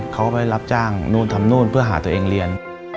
เขาไปรับจ้างนู่นทำนู่นเพื่อหาตัวเองเรียน